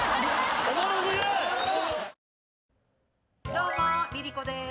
どうも、ＬｉＬｉＣｏです。